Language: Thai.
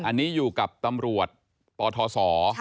อันนี้อยู่กับตำรวจปทศ